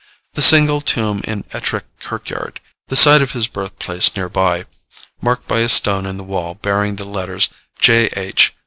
The single tomb in Ettrick kirkyard, the site of his birthplace near by, marked by a stone in the wall, bearing the letters J. H.